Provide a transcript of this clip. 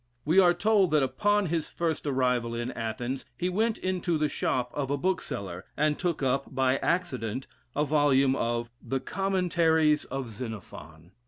We are told that upon is first arrival in Athens, he went into the shop of a bookseller, and took up, by accident, a volume of the "Commentaries of Xenophon."